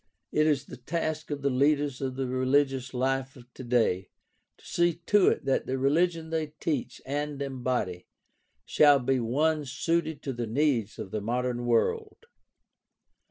"^ It is the task of the leaders of the religious life of today to see to it that the religion they teach and embody shall be one suited to the needs of the modern world.